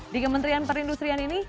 di kementerian perindustrian ini